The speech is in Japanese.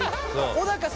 小高さんが。